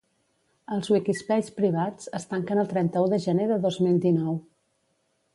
Els Wikispaces privats es tanquen el trenta-u de gener de dos mil dinou